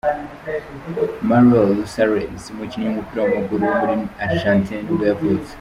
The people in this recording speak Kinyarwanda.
Mauro Rosales, umukinnyi w’umupira w’amaguru wo muri Argentine nibwo yavutse.